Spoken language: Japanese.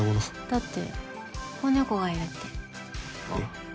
だって子猫がいるってえっ？